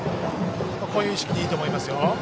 こういう意識でいいと思います。